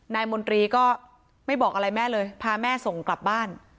มนตรีก็ไม่บอกอะไรแม่เลยพาแม่ส่งกลับบ้าน